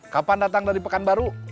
kapan datang dari pekanbaru